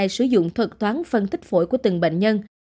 sử dụng thuật toán phân tích phổi của từng bệnh nhân